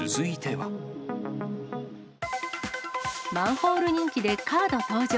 マンホール人気でカード登場。